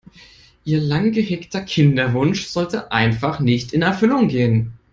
Ihr lang gehegter Kinderwunsch wollte einfach nicht in Erfüllung gehen.